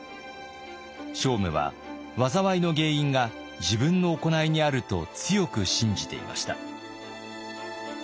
聖武は災いの原因が自分の行いにあると強く信じていました。